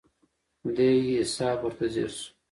دې حساب ورته ځیر شو.